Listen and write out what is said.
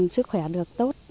sức khỏe được tốt